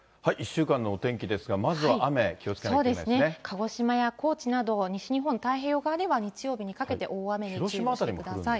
１週間のお天気ですが、まずは雨、そうですね、鹿児島や高知など、西日本、太平洋側では日曜日にかけて、大雨に気をつけてください。